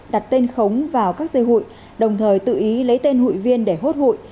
đặt tên khống vào các dây hụi đồng thời tự ý lấy tên hụi viên để hốt hụi